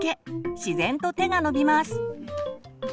自然と手が伸びます。